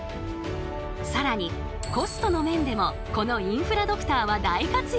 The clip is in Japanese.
更にコストの面でもこのインフラドクターは大活躍。